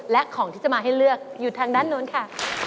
และของที่จะมาให้เลือกอยู่ทางด้านนู้นค่ะ